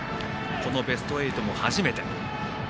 ベスト８も初めて。